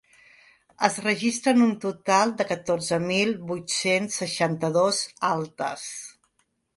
Es registren un total de catorze mil vuit-cents seixanta-dos altes.